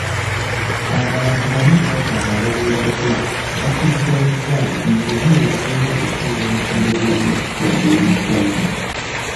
Abantu bana ku bataano abaabuuziddwa bakkiriziganyizza nti enguzi y'esinze okusuula omutindo gw'ebyobujjanjabi mu ggwanga.